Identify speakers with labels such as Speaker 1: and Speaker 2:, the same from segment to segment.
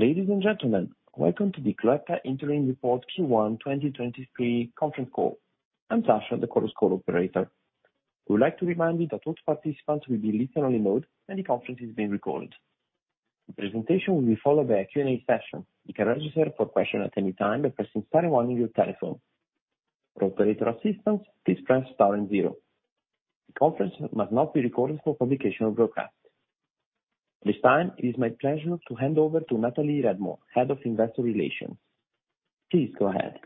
Speaker 1: Ladies and gentlemen, welcome to the Cloetta Interim Report Q1 2023 Conference Call. I'm Sasha, the Chorus Call operator. We would like to remind you that all participants will be listen-only mode, and the conference is being recorded. The presentation will be followed by a Q&A session. You can register for question at any time by pressing star one on your telephone. For operator assistance, please press star and zero. The conference must not be recorded for publication or broadcast. At this time, it is my pleasure to hand over to Nathalie Redmo, Head of Investor Relations. Please go ahead.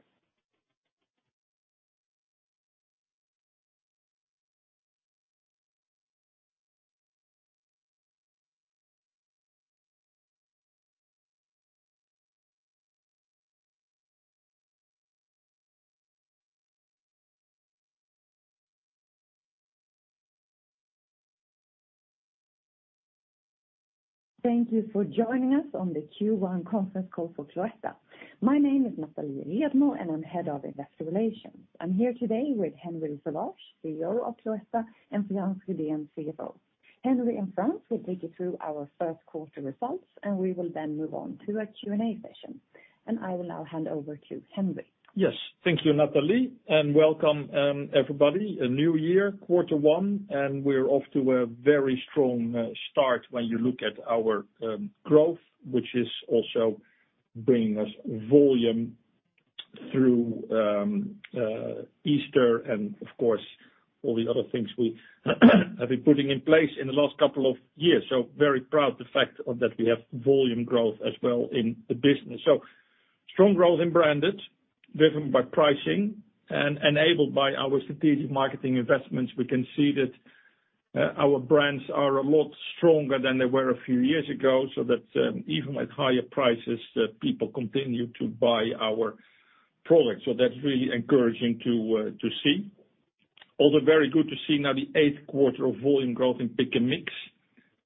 Speaker 2: Thank you for joining us on the Q1 conference call for Cloetta. My name is Nathalie Redmo. I'm Head of Investor Relations. I'm here today with Henri de Sauvage-Nolting, CEO of Cloetta, and Frans Rydén, CFO. Henri and Frans will take you through our first quarter results. We will then move on to a Q&A session. I will now hand over to Henri.
Speaker 3: Yes. Thank you, Nathalie, and welcome, everybody. A new year, quarter one, and we're off to a very strong start when you look at our growth, which is also bringing us volume through Easter and of course, all the other things we have been putting in place in the last couple of years. Very proud the fact of that we have volume growth as well in the business. Strong growth in branded, driven by pricing and enabled by our strategic marketing investments. We can see that our brands are a lot stronger than they were a few years ago, that even with higher prices, people continue to buy our products. That's really encouraging to see. Also very good to see now the eighth quarter of volume growth in Pick & Mix.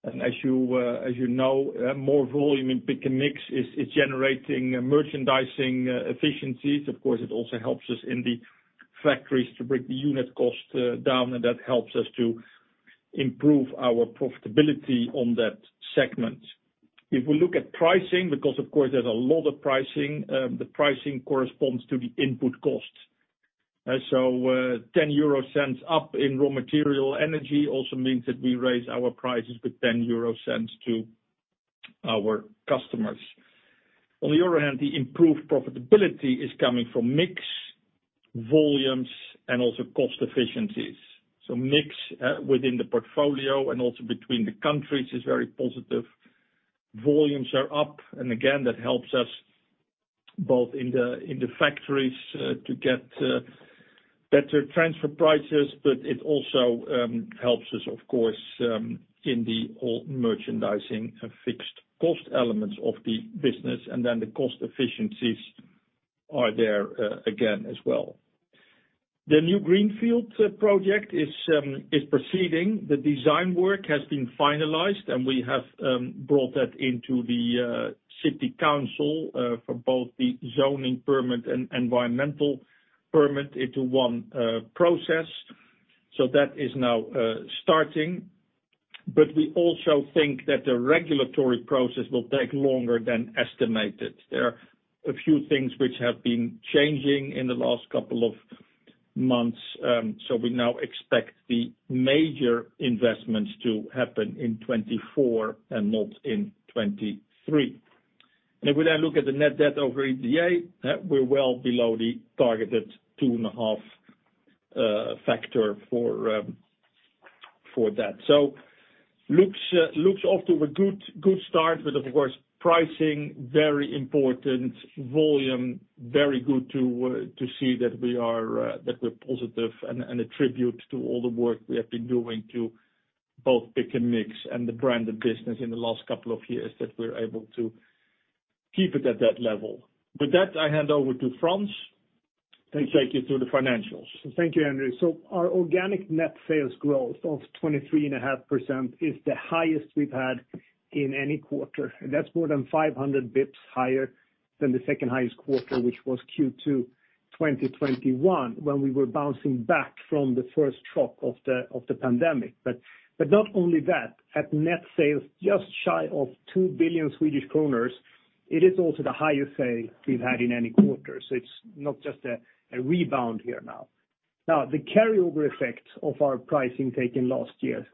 Speaker 3: As you know, more volume in Pick & Mix is generating merchandising efficiencies. Of course, it also helps us in the factories to bring the unit cost down, and that helps us to improve our profitability on that segment. If we look at pricing, because, of course, there's a lot of pricing, the pricing corresponds to the input cost. 0.10 up in raw material energy also means that we raise our prices with 0.10 to our customers. On the other hand, the improved profitability is coming from mix, volumes, and also cost efficiencies. Mix within the portfolio and also between the countries is very positive. Volumes are up, again, that helps us both in the factories to get better transfer prices, it also helps us, of course, in the all merchandising and fixed cost elements of the business, the cost efficiencies are there again as well. The new Greenfield project is proceeding. The design work has been finalized, we have brought that into the city council for both the zoning permit and environmental permit into one process. That is now starting. We also think that the regulatory process will take longer than estimated. There are a few things which have been changing in the last couple of months, we now expect the major investments to happen in 2024 and not in 2023. If we now look at the net debt over EBITDA, we're well below the targeted 2.5 factor for that. Looks off to a good start. Of course, pricing, very important. Volume, very good to see that we are that we're positive and attribute to all the work we have been doing to both Pick & Mix and the business in the last couple of years, that we're able to keep it at that level. With that, I hand over to Frans to take you through the financials.
Speaker 4: Thank you, Henri. Our organic net sales growth of 23.5% is the highest we've had in any quarter. That's more than 500 bips higher than the second-highest quarter, which was Q2 2021, when we were bouncing back from the first trough of the pandemic. Not only that, at net sales just shy of 2 billion Swedish kronor, it is also the highest sale we've had in any quarter. It's not just a rebound here now. The carryover effect of our pricing taken last year,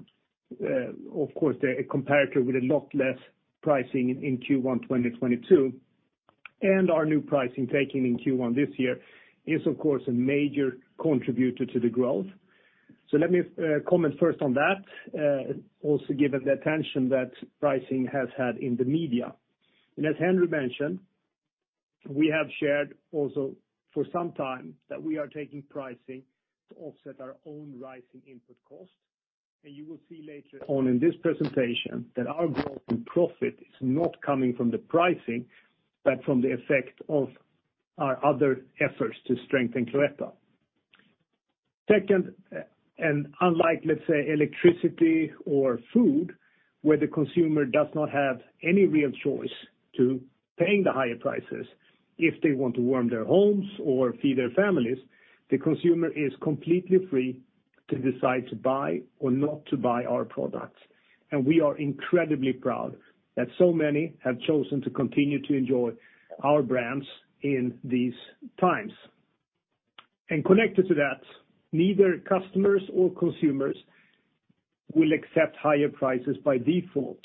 Speaker 4: of course, a comparator with a lot less pricing in Q1 2022, and our new pricing taken in Q1 this year is a major contributor to the growth. Let me comment first on that, also given the attention that pricing has had in the media. As Henri mentioned, we have shared also for some time that we are taking pricing to offset our own rising input costs. You will see later on in this presentation that our growth in profit is not coming from the pricing, but from the effect of our other efforts to strengthen Cloetta. Second, and unlike, let's say, electricity or food, where the consumer does not have any real choice to paying the higher prices, if they want to warm their homes or feed their families, the consumer is completely free to decide to buy or not to buy our products. We are incredibly proud that so many have chosen to continue to enjoy our brands in these times. Connected to that, neither customers or consumers will accept higher prices by default.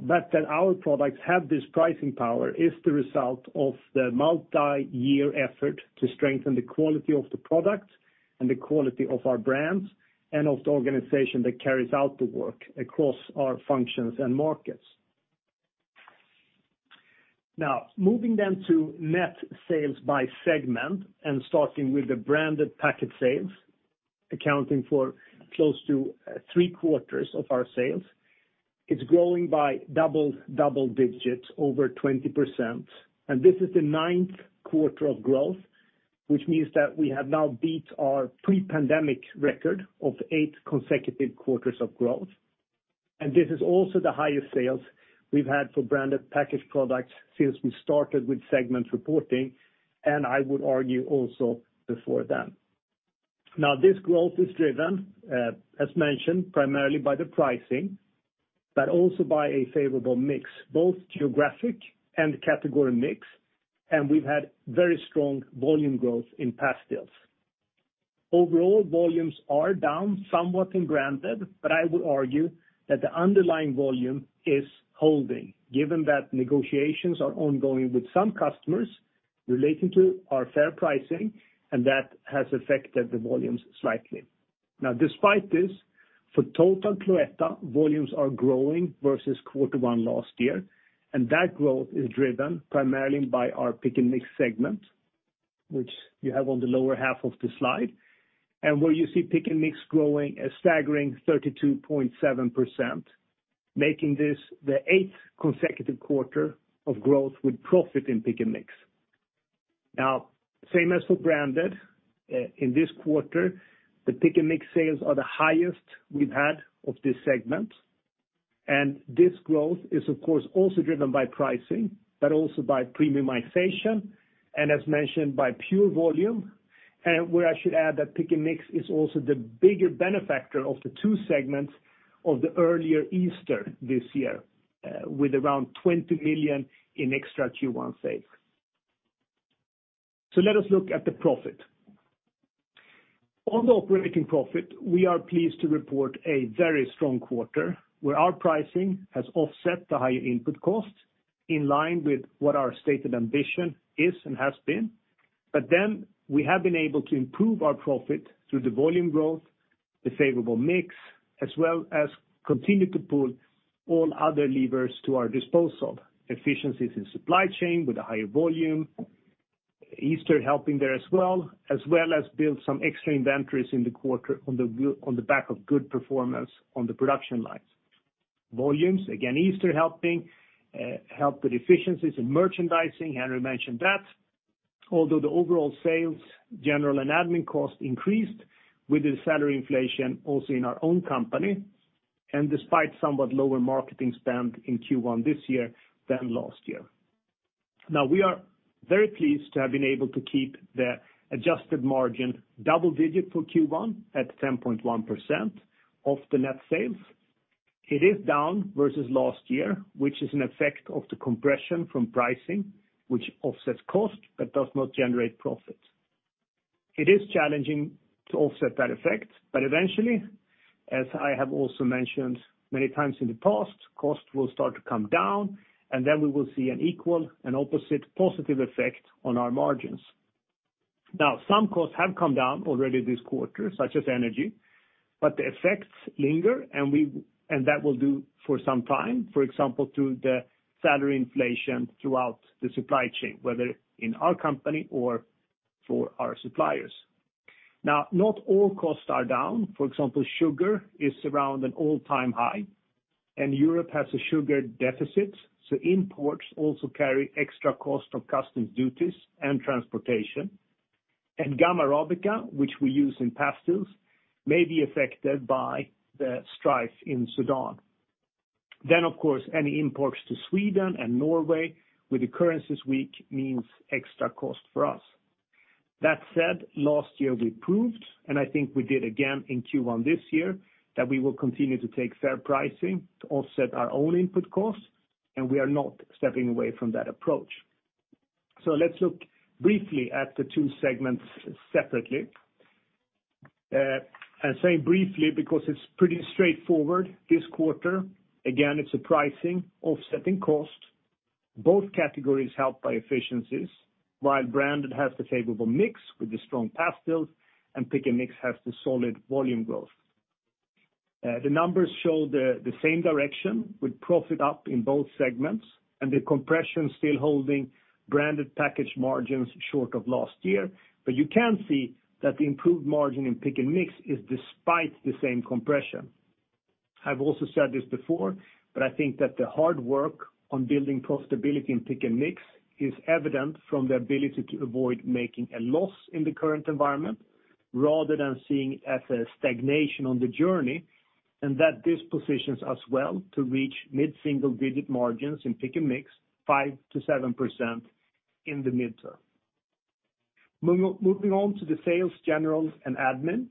Speaker 4: That our products have this pricing power is the result of the multi-year effort to strengthen the quality of the product and the quality of our brands, and of the organization that carries out the work across our functions and markets. Moving to net sales by segment and starting with the branded packet sales, accounting for close to three-quarters of our sales. It's growing by double digits over 20%, this is the ninth quarter of growth, which means that we have now beat our pre-pandemic record of 8 consecutive quarters of growth. This is also the highest sales we've had for branded packaged products since we started with segment reporting, and I would argue also before then. This growth is driven, as mentioned, primarily by the pricing, but also by a favorable mix, both geographic and category mix, and we've had very strong volume growth in pastilles. Overall, volumes are down somewhat in granted, but I would argue that the underlying volume is holding, given that negotiations are ongoing with some customers relating to our fair pricing, and that has affected the volumes slightly. Despite this, for total Cloetta, volumes are growing versus quarter one last year, and that growth is driven primarily by our Pick & Mix segment, which you have on the lower half of the slide. Where you see Pick & Mix growing a staggering 32.7%, making this the 8th consecutive quarter of growth with profit in Pick & Mix. Now, same as for branded, in this quarter, the Pick & Mix sales are the highest we've had of this segment. This growth is, of course, also driven by pricing, but also by premiumization, and as mentioned, by pure volume. Where I should add that Pick & Mix is also the bigger benefactor of the two segments of the earlier Easter this year, with around 20 million in extra Q1 sales. Let us look at the profit. On the operating profit, we are pleased to report a very strong quarter where our pricing has offset the higher input costs in line with what our stated ambition is and has been. We have been able to improve our profit through the volume growth, the favorable mix, as well as continue to pull all other levers to our disposal. Efficiencies in supply chain with a higher volume, Easter helping there as well, as well as build some extra inventories in the quarter on the back of good performance on the production lines. Volumes, again, Easter helping, help with efficiencies and merchandising. Henri mentioned that. The overall sales, general and admin costs increased with the salary inflation also in our own company, and despite somewhat lower marketing spend in Q1 this year than last year. We are very pleased to have been able to keep the adjusted margin double digit for Q1 at 10.1% of the net sales. It is down versus last year, which is an effect of the compression from pricing, which offsets cost but does not generate profit. It is challenging to offset that effect, eventually, as I have also mentioned many times in the past, cost will start to come down, then we will see an equal and opposite positive effect on our margins. Some costs have come down already this quarter, such as energy, the effects linger and that will do for some time. Through the salary inflation throughout the supply chain, whether in our company or for our suppliers. Not all costs are down. Sugar is around an all-time high, Europe has a sugar deficit, imports also carry extra cost of customs duties and transportation. Gum arabic, which we use in pastilles, may be affected by the strife in Sudan. Of course, any imports to Sweden and Norway with the currencies weak means extra cost for us. That said, last year we proved, and I think we did again in Q1 this year, that we will continue to take fair pricing to offset our own input costs, and we are not stepping away from that approach. Let's look briefly at the 2 segments separately. I say briefly because it's pretty straightforward this quarter. Again, it's a pricing offsetting cost. Both categories helped by efficiencies, while branded has the favorable mix with the strong pastilles and Pick & Mix has the solid volume growth. The numbers show the same direction with profit up in both segments and the compression still holding branded package margins short of last year. You can see that the improved margin in Pick & Mix is despite the same compression. I've also said this before, I think that the hard work on building profitability in Pick & Mix is evident from the ability to avoid making a loss in the current environment rather than seeing it as a stagnation on the journey, and that this positions us well to reach mid-single-digit margins in Pick & Mix, 5%-7% in the midterm. Moving on to the sales, general, and admin.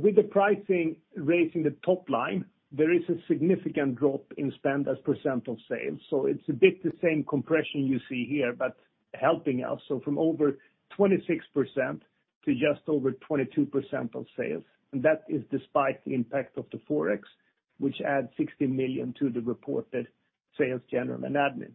Speaker 4: With the pricing raising the top line, there is a significant drop in spend as % of sales. It's a bit the same compression you see here, but helping us. From over 26% to just over 22% of sales. That is despite the impact of the Forex, which adds 60 million to the reported sales, general, and admin.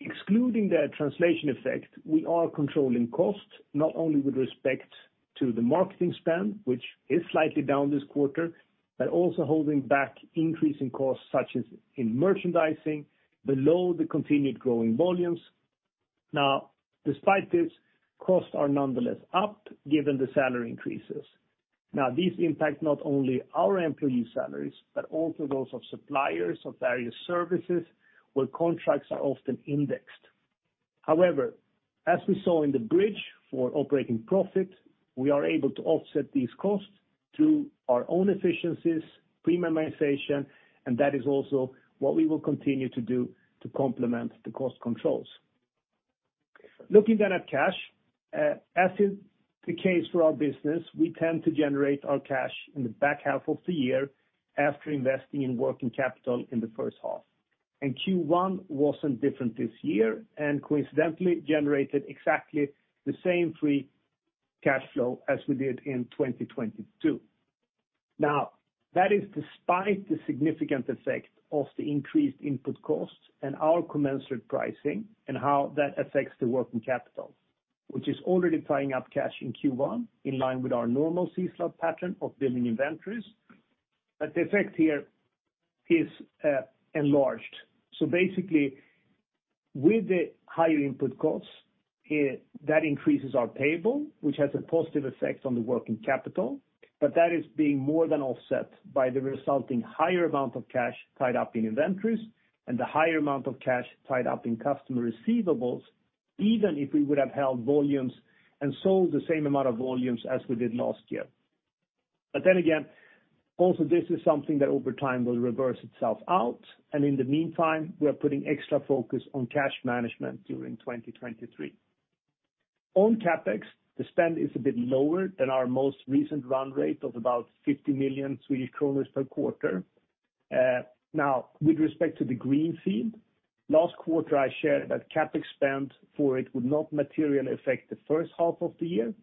Speaker 4: Excluding the translation effect, we are controlling costs, not only with respect to the marketing spend, which is slightly down this quarter, but also holding back increasing costs such as in merchandising below the continued growing volumes. Despite this, costs are nonetheless up given the salary increases. These impact not only our employee salaries, but also those of suppliers of various services where contracts are often indexed. As we saw in the bridge for operating profit, we are able to offset these costs through our own efficiencies, premiumization, and that is also what we will continue to do to complement the cost controls. Looking at cash, as is the case for our business, we tend to generate our cash in the back half of the year after investing in working capital in the first half. Q1 wasn't different this year, and coincidentally generated exactly the same free cash flow as we did in 2022. That is despite the significant effect of the increased input costs and our commensurate pricing and how that affects the working capital, which is already tying up cash in Q1 in line with our normal seasonal pattern of building inventories. The effect here is enlarged. Basically, with the higher input costs, that increases our payable, which has a positive effect on the working capital, but that is being more than offset by the resulting higher amount of cash tied up in inventories and the higher amount of cash tied up in customer receivables, even if we would have held volumes and sold the same amount of volumes as we did last year. Then again, also this is something that over time will reverse itself out. In the meantime, we are putting extra focus on cash management during 2023. On CapEx, the spend is a bit lower than our most recent run rate of about 50 million Swedish kronor per quarter. With respect to the greenfield, last quarter, I shared that CapEx spend for it would not materially affect the first half of the year.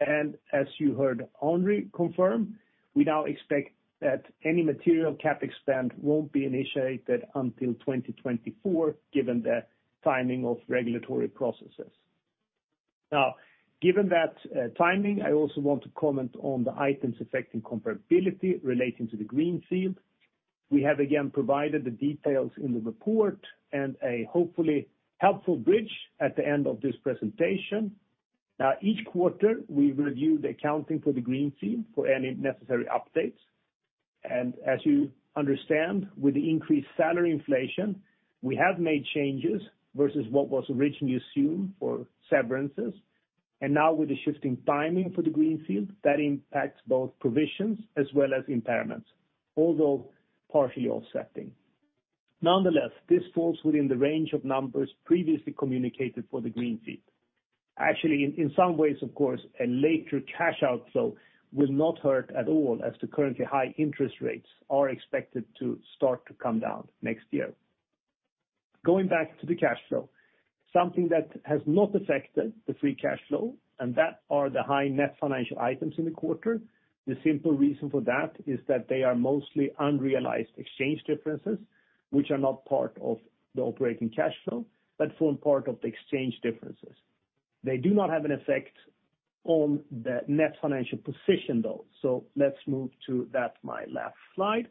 Speaker 4: As you heard Henri confirm, we now expect that any material CapEx spend won't be initiated until 2024 given the timing of regulatory processes. Given that, timing, I also want to comment on the items affecting comparability relating to the greenfield. We have again provided the details in the report and a hopefully helpful bridge at the end of this presentation. Now, each quarter, we review the accounting for the greenfield for any necessary updates. As you understand, with the increased salary inflation, we have made changes versus what was originally assumed for severances. Now with the shifting timing for the greenfield, that impacts both provisions as well as impairments, although partially offsetting. Nonetheless, this falls within the range of numbers previously communicated for the greenfield. In some ways, of course, a later cash outflow will not hurt at all as the currently high interest rates are expected to start to come down next year. Going back to the cash flow, something that has not affected the free cash flow, and that are the high net financial items in the quarter. The simple reason for that is that they are mostly unrealized exchange differences, which are not part of the operating cash flow, but form part of the exchange differences. They do not have an effect on the net financial position, though. Let's move to that, my last slide.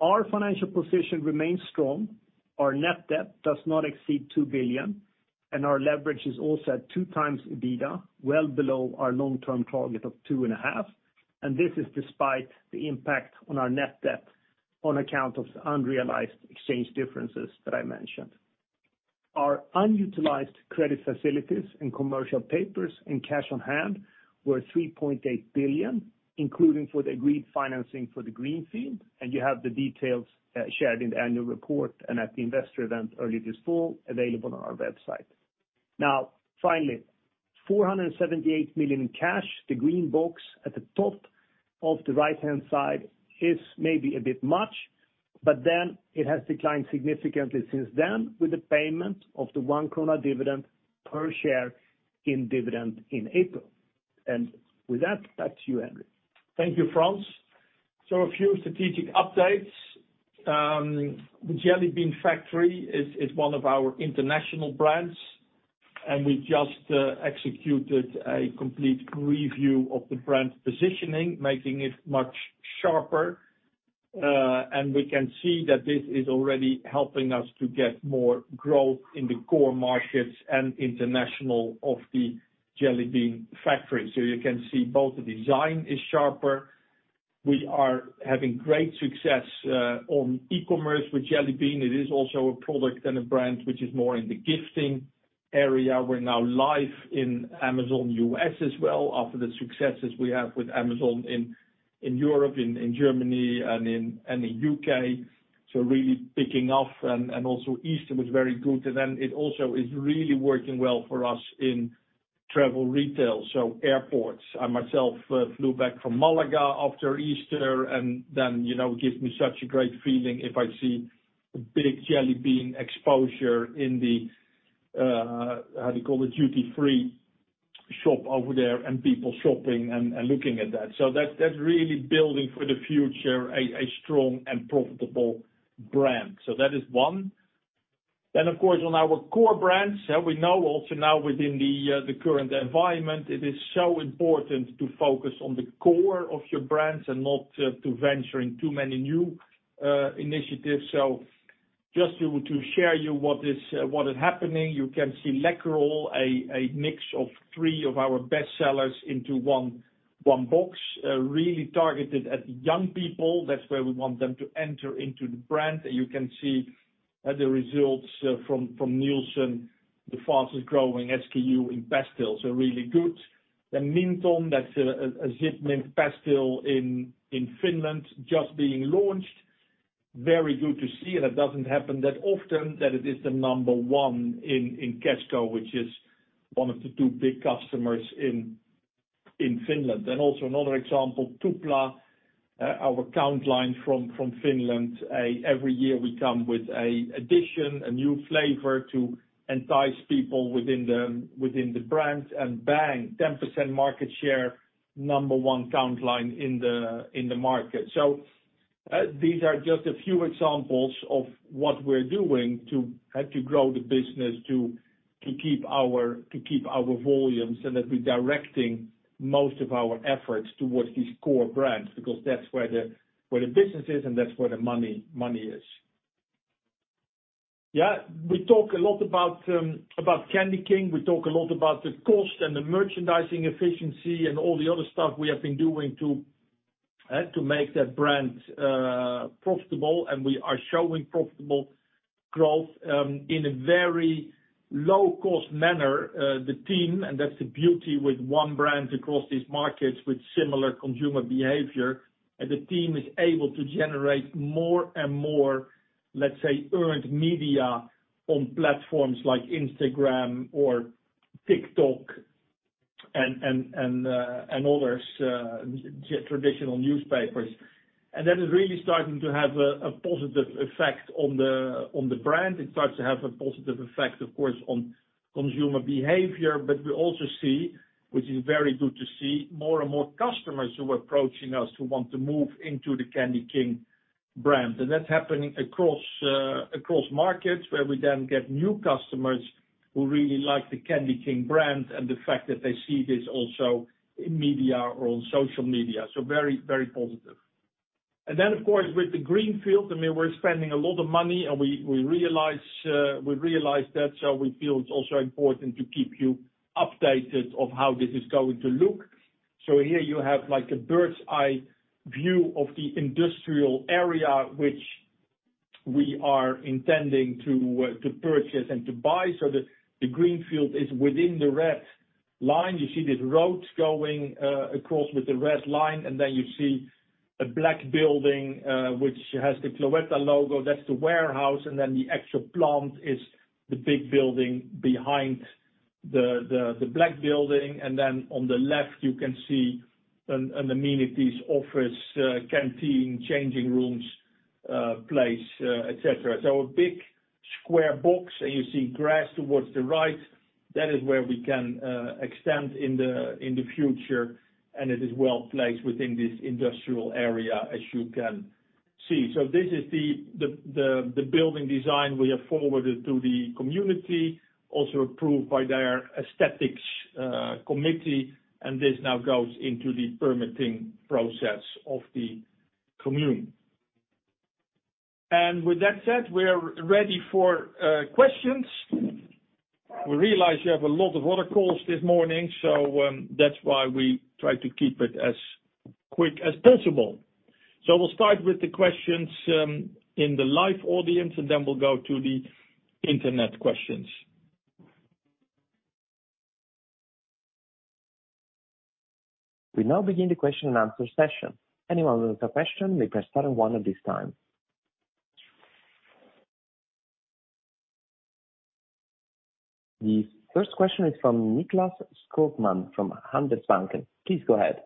Speaker 4: Our financial position remains strong. Our net debt does not exceed 2 billion, and our leverage is also at 2x EBITDA, well below our long-term target of 2.5. This is despite the impact on our net debt on account of the unrealized exchange differences that I mentioned. Our unutilized credit facilities and commercial papers and cash on hand were 3.8 billion, including for the agreed financing for the greenfield, and you have the details shared in the annual report and at the investor event early this fall available on our website. Now, finally, 478 million in cash, the green box at the top of the right-hand side is maybe a bit much, it has declined significantly since then with the payment of the 1 krona dividend per share in dividend in April. With that, back to you, Henri.
Speaker 3: Thank you, Frans. A few strategic updates. The Jelly Bean Factory is one of our international brands, and we just executed a complete review of the brand positioning, making it much sharper. We can see that this is already helping us to get more growth in the core markets and international of The Jelly Bean Factory. You can see both the design is sharper. We are having great success on e-commerce with Jelly Bean. It is also a product and a brand which is more in the gifting area. We're now live in Amazon US as well after the successes we have with Amazon in Europe, in Germany and in the U.K. Really picking up. Also Easter was very good. Then it also is really working well for us in travel retail, so airports. I myself flew back from Málaga after Easter and then it gives me such a great feeling if I see a big Jelly Bean exposure in the how do you call it? Duty-free shop over there and people shopping and looking at that. That's really building for the future a strong and profitable brand. That is one. Of course, on our core brands we know also now within the current environment, it is so important to focus on the core of your brands and not to venture in too many new initiatives. Just to share you what is happening, you can see Läkerol, a mix of three of our best sellers into one box really targeted at young people. That's where we want them to enter into the brand. You can see the results from Nielsen, the fastest growing SKU in pastilles, really good. Mynthon, that's a ZipMint pastille in Finland just being launched. Very good to see. That doesn't happen that often, that it is the number one in Kesko, which is one of the two big customers in Finland. Also another example, Tupla, our count line from Finland. Every year we come with a addition, a new flavor to entice people within the brand. Bang, 10% market share, number one count line in the market. These are just a few examples of what we're doing to grow the business, to keep our volumes, and that we're directing most of our efforts towards these core brands, because that's where the business is and that's where the money is. We talk a lot about CandyKing. We talk a lot about the cost and the merchandising efficiency and all the other stuff we have been doing to make that brand profitable. We are showing profitable growth in a very low cost manner. The team, and that's the beauty with one brand across these markets with similar consumer behavior, the team is able to generate more and more, let's say, earned media on platforms like Instagram or TikTok and others, traditional newspapers. That is really starting to have a positive effect on the brand. It starts to have a positive effect, of course, on consumer behavior. We also see, which is very good to see, more and more customers who are approaching us who want to move into the CandyKing brand. That's happening across markets, where we then get new customers who really like the CandyKing brand and the fact that they see this also in media or on social media. Very, very positive. Then with the greenfield, we're spending a lot of money and we realize that, so we feel it's also important to keep you updated of how this is going to look. Here you have a bird's-eye view of the industrial area which we are intending to purchase and to buy. The greenfield is within the red line. You see these roads going across with the red line, and then you see a black building which has the Cloetta logo. That's the warehouse. The actual plant is the big building behind the black building. On the left you can see an amenities office, canteen, changing rooms, place, etc. A big square box. You see grass towards the right. That is where we can extend in the future. It is well placed within this industrial area, as you can see. This is the building design we have forwarded to the community, also approved by their aesthetics committee. This now goes into the permitting process of the commune. With that said, we are ready for questions. We realize you have a lot of other calls this morning, so that's why we try to keep it as quick as possible. We'll start with the questions in the live audience, and then we'll go to the internet questions.
Speaker 1: We now begin the question-and-answer session. Anyone with a question may press star one at this time. The first question is from Nicklas Skogman, from Handelsbanken. Please go ahead.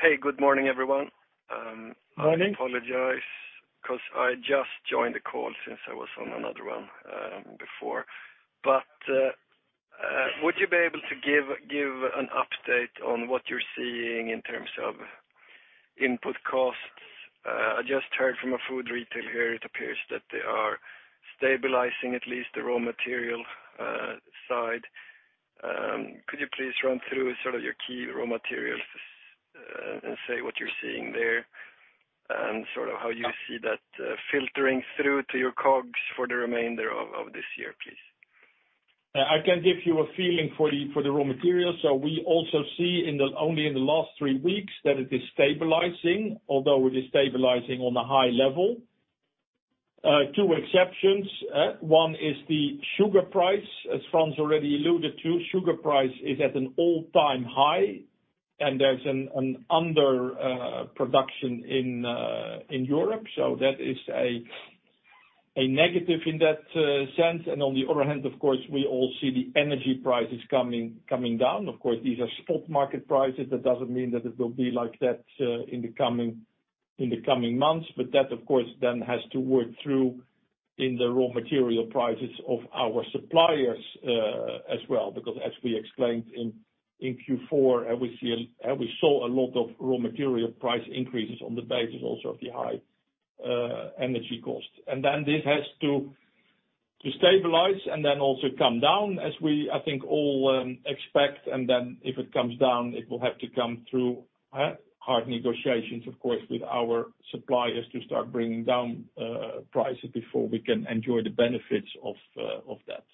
Speaker 5: Hey, good morning, everyone.
Speaker 3: Morning.
Speaker 5: I apologize 'cause I just joined the call since I was on another one before. Would you be able to give an update on what you're seeing in terms of input costs? I just heard from a food retailer here, it appears that they are stabilizing at least the raw material side. Could you please run through sort of your key raw materials and say what you're seeing there and sort of how you see that filtering through to your costs for the remainder of this year, please?
Speaker 3: I can give you a feeling for the raw materials. We also see in the only in the last three weeks that it is stabilizing, although it is stabilizing on a high level. Two exceptions. One is the sugar price, as Frans already alluded to. Sugar price is at an all-time high, and there's an underproduction in Europe. That is a negative in that sense. On the other hand, of course, we all see the energy prices coming down. Of course, these are spot market prices. That doesn't mean that it will be like that in the coming months. That, of course, then has to work through in the raw material prices of our suppliers, as well, because as we explained in Q4, and we saw a lot of raw material price increases on the basis also of the high energy costs. This has to stabilize and then also come down as we, I think, all expect. If it comes down, it will have to come through hard negotiations, of course, with our suppliers to start bringing down prices before we can enjoy the benefits of that.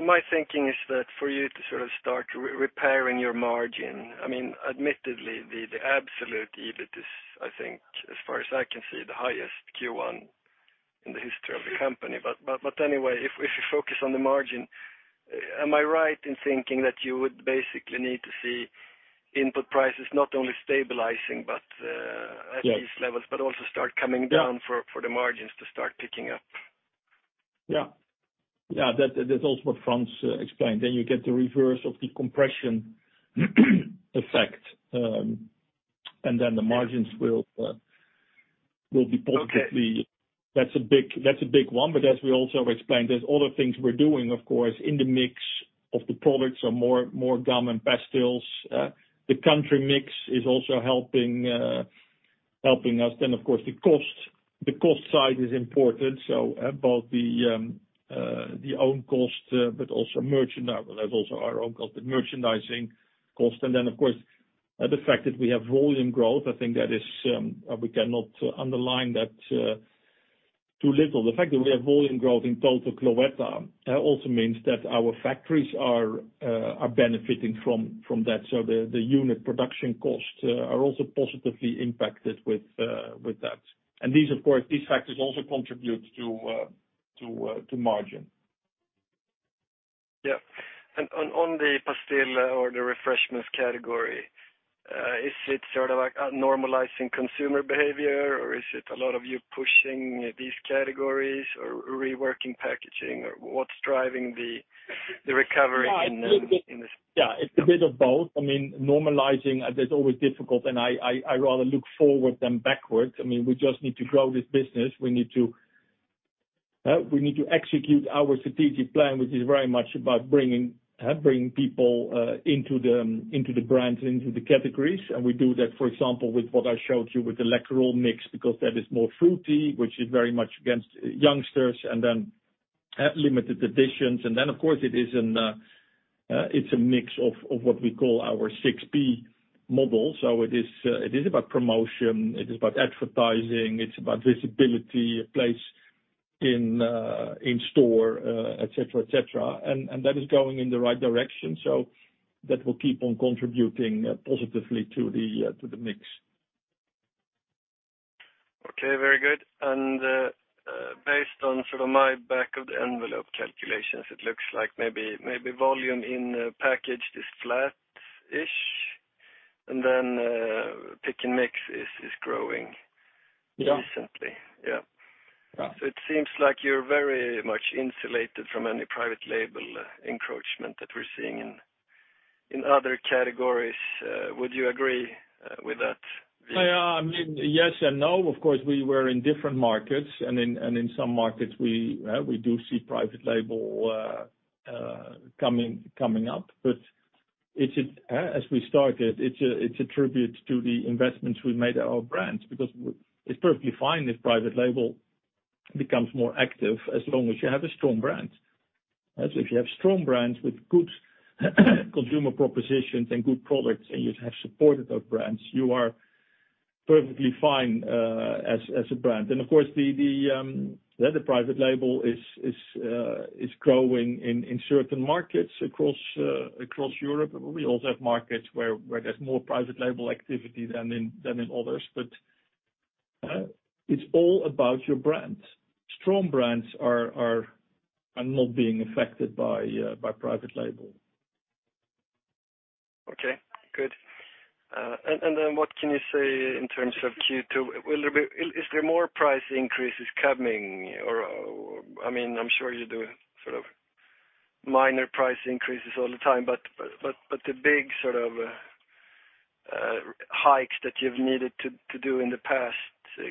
Speaker 5: My thinking is that for you to sort of start re-repairing your margin, admittedly, the absolute EBIT is as far as I can see, the highest Q1 in the history of the company. Anyway, if you focus on the margin, am I right in thinking that you would basically need to see input prices not only stabilizing, but at these levels, but also start coming down for the margins to start picking up?
Speaker 3: That's also what Frans explained. You get the reverse of the compression effect. The margins will be positively. That's a big one. As we also explained, there's other things we're doing, of course, in the mix of the products are more gum and pastilles. The country mix is also helping us. Of course, the cost side is important. Both the own cost, but also merchandising cost. Of course, the fact that we have volume growth, I think that is, we cannot underline that too little. The fact that we have volume growth in total Cloetta also means that our factories are benefiting from that. The unit production costs are also positively impacted with that. These factors also contribute to margin.
Speaker 5: On the pastille or the refreshments category, is it sort of like a normalizing consumer behavior, or is it a lot of you pushing these categories or reworking packaging or what's driving the recovery in this?
Speaker 3: It's a bit of both. Normalizing, that's always difficult. I rather look forward than backwards. We just need to grow this business. We need to execute our strategic plan, which is very much about bringing people, into the brands and into the categories. We do that, for example, with what I showed you with the Läkerol mix, because that is more fruity, which is very much against youngsters, and then, limited editions. Of course, it's a mix of what we call our 6P model. It is about promotion, it is about advertising, it's about visibility, place in store, et cetera. That is going in the right direction. That will keep on contributing, positively to the mix.
Speaker 5: Very good. Based on my back-of-the-envelope calculations, it looks like maybe volume in package is flat-ish, and then, Pick & Mix is growing decently. It seems like you're very much insulated from any private label encroachment that we're seeing in other categories. Would you agree with that?
Speaker 3: Yes and no. Of course, we were in different markets, and in some markets, we do see private label coming up. It should, as we started, it's a tribute to the investments we made at our brands, because it's perfectly fine if private label becomes more active as long as you have a strong brand. If you have strong brands with good consumer propositions and good products, and you have supported those brands, you are perfectly fine as a brand. Of course, the private label is growing in certain markets across Europe. We also have markets where there's more private label activity than in others. It's all about your brands. Strong brands are not being affected by private label.
Speaker 5: Good. Then what can you say in terms of Q2? Is there more price increases coming or? I'm sure you do sort of minor price increases all the time, but the big sort of hikes that you've needed to do in the past,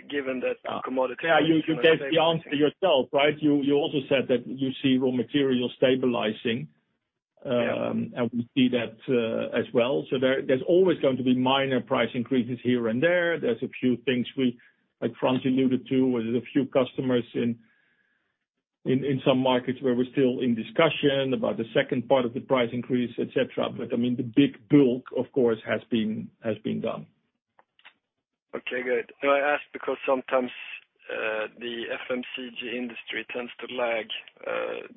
Speaker 5: given that commodity-
Speaker 3: You gave the answer yourself, right? You also said that you see raw material stabilizing. We see that, as well. There, there's always going to be minor price increases here and there. There's a few things we, like Frans alluded to, was a few customers in some markets where we're still in discussion about the second part of the price increase, et cetera. The big bulk, of course, has been done.
Speaker 5: Good. I ask because sometimes, the FMCG industry tends to lag,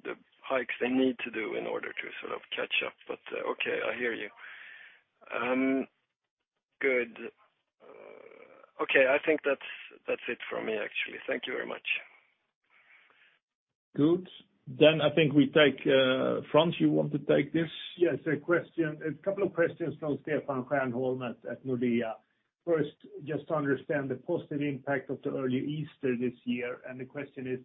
Speaker 5: the hikes they need to do in order to sort of catch up. Good. That's it for me, actually. Thank you very much.
Speaker 3: Good. I think we take, Frans, you want to take this?
Speaker 4: Yes. A couple of questions from Stefan Stjernholm at Nordea. First, just to understand the positive impact of the early Easter this year, the question is,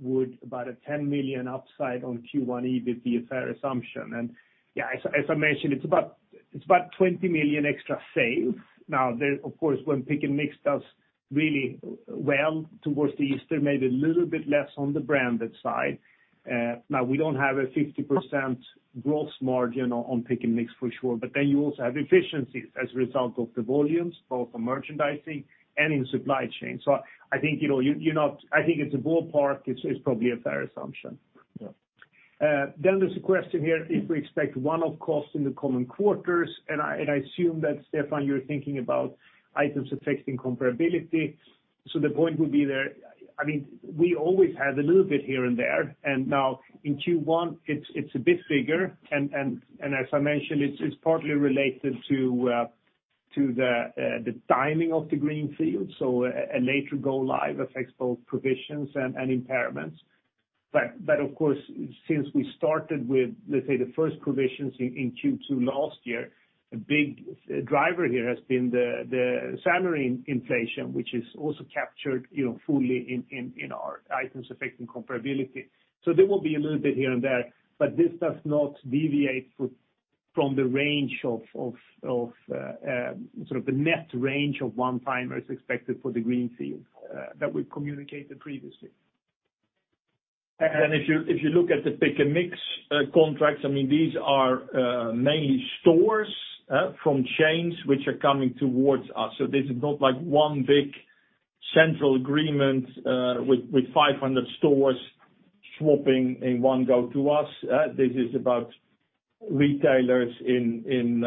Speaker 4: would about a 10 million upside on Q1 EBT be a fair assumption? As I mentioned, it's about 20 million extra sales. Now, there of course, when Pick & Mix does really well towards Easter, maybe a little bit less on the branded side. Now we don't have a 50% gross margin on Pick & Mix, for sure. You also have efficiencies as a result of the volumes, both from merchandising and in supply chain. I think it's a ballpark, it's probably a fair assumption. There's a question here if we expect one-off costs in the coming quarters, and I I assume that Stefan, you're thinking about items affecting comparability. The point would be there, we always have a little bit here and there. Now in Q1, it's a bit bigger. As I mentioned, it's partly related to the timing of the greenfield. A later go live affects both provisions and impairments. Of course, since we started with, let's say, the first provisions in Q2 last year, a big driver here has been the salary inflation, which is also captured fully in our items affecting comparability. There will be a little bit here and there, but this does not deviate from the range of sort of the net range of one-timers expected for the greenfield that we communicated previously.
Speaker 3: If you look at the Pick & Mix contracts, these are mainly stores from chains which are coming towards us. This is not like one big central agreement with 500 stores swapping in one go to us. This is about retailers in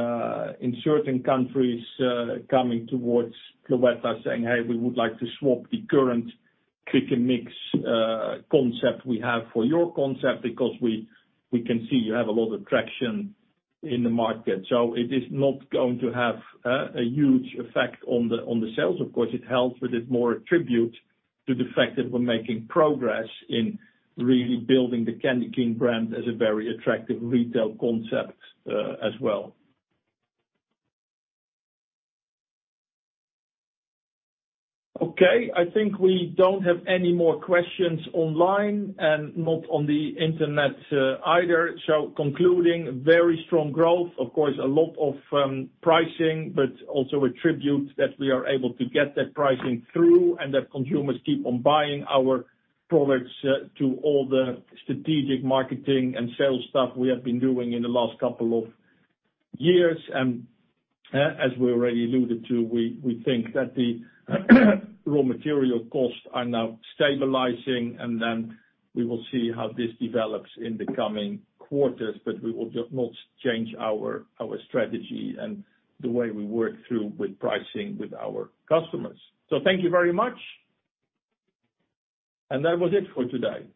Speaker 3: certain countries coming towards Cloetta saying, "Hey, we would like to swap the current Pick & Mix concept we have for your concept because we can see you have a lot of traction in the market." It is not going to have a huge effect on the sales. Of course, it helps, but it's more a tribute to the fact that we're making progress in really building the CandyKing brand as a very attractive retail concept as well. We don't have any more questions online and not on the internet, either. Concluding, very strong growth, of course, a lot of pricing, but also a tribute that we are able to get that pricing through and that consumers keep on buying our products, to all the strategic marketing and sales stuff we have been doing in the last couple of years. As we already alluded to, we think that the raw material costs are now stabilizing, and then we will see how this develops in the coming quarters, but we will not change our strategy and the way we work through with pricing with our customers. Thank you very much. That was it for today.